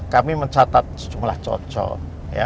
kami mencatat sejumlah cocok